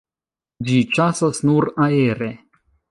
Ĝi ĉasas nur aere.